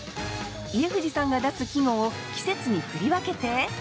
家藤さんが出す季語を季節に振り分けて！